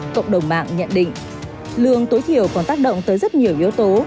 cộng đồng mạng nhận định lương tối thiểu còn tác động tới rất nhiều yếu tố